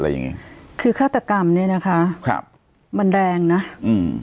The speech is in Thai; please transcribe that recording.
อย่างงี้คือฆาตกรรมเนี้ยนะคะครับมันแรงนะอืม